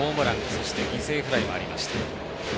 そして、犠牲フライもありました。